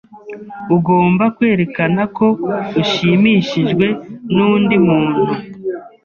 Ugomba kwerekana ko ushimishijwe nundi muntu.